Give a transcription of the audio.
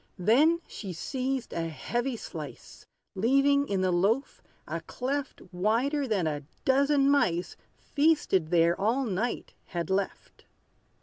Then she seized a heavy slice, Leaving in the loaf a cleft Wider than a dozen mice, Feasted there all night, had left.